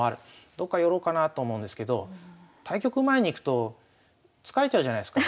どっか寄ろうかなと思うんですけど対局前に行くと疲れちゃうじゃないですか。